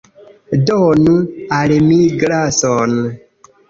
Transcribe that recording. Donu al mi glason.